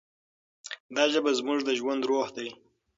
دا ژبه زموږ د ژوند روح دی.